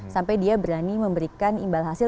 sampai dia berani memberikan imbal hasil